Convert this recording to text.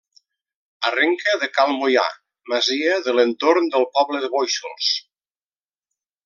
Arrenca de Cal Moià, masia de l'entorn del poble de Bóixols.